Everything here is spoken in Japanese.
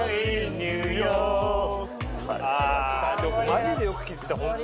マジでよく聴いてたホント。